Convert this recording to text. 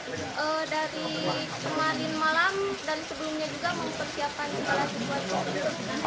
dari kemarin malam dari sebelumnya juga mempersiapkan suara suara